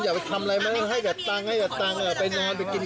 อยากไปทำอะไรมาให้เงียบเงียบเงียบ